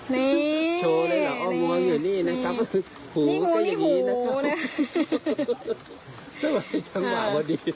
นี่ม้วนี่หูนะครับ